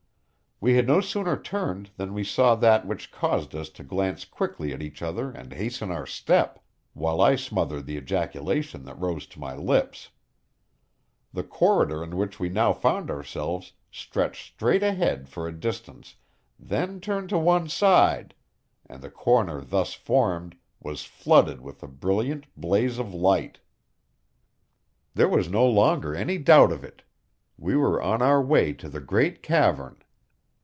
We had no sooner turned than we saw that which caused us to glance quickly at each other and hasten our step, while I smothered the ejaculation that rose to my lips. The corridor in which we now found ourselves stretched straight ahead for a distance, then turned to one side; and the corner thus formed was flooded with a brilliant blaze of light! There was no longer any doubt of it: we were on our way to the great cavern.